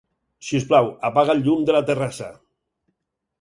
Si us plau, apaga el llum de la terrassa.